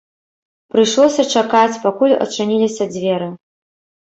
Прыйшлося чакаць, пакуль адчыніліся дзверы.